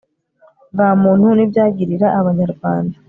bwa muntu n ibyagirira Abanyarwanda